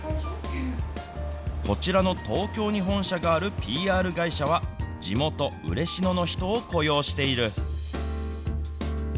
こちらの東京に本社があるＰＲ会社は、地元、嬉野の人を雇用している。